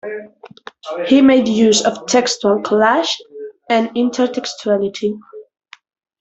He made use of textual collages and intertextuality.